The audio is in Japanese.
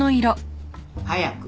早く。